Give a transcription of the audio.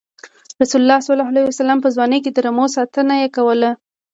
رسول الله ﷺ په ځوانۍ کې د رمو ساتنه یې کوله.